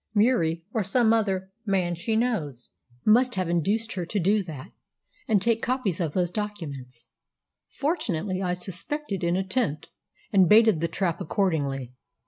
Murie, or some other man she knows, must have induced her to do that, and take copies of those documents. Fortunately, I suspected an attempt, and baited the trap accordingly."